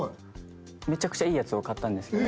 めちゃくちゃいいやつを買ったんですけど。